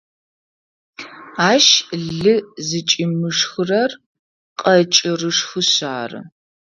Ащ лы зыкӏимышхырэр къэкӏырышхышъ ары.